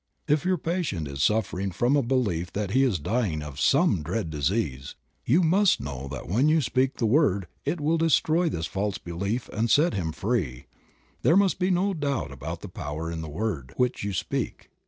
If your patient is suffering from a belief that he is dying of some dread disease, you must know that when you speak the word it will destroy this false belief and set him free. There must be no doubt about the power in the word which you speak.